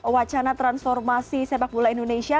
wacana transformasi sepak bola indonesia